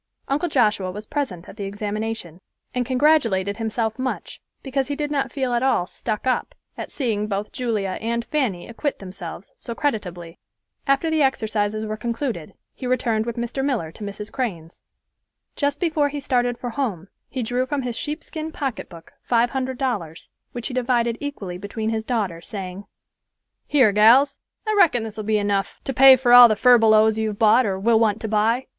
Uncle Joshua was present at the examination, and congratulated himself much because he did not feel at all "stuck up" at seeing both Julia and Fanny acquit themselves so creditably. After the exercises were concluded, he returned with Mr. Miller to Mrs. Crane's. Just before he started for home he drew from his sheepskin pocketbook five hundred dollars, which he divided equally between his daughters, saying, "Here, gals, I reckon this will be enough to pay for all the furbelows you've bought or will want to buy.